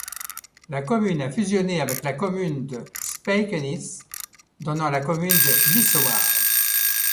La commune a fusionné avec la commune de Spijkenisse, donnant la commune de Nissewaard.